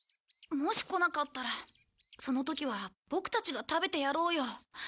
もし来なかったらその時はボクたちが食べてやろうよ。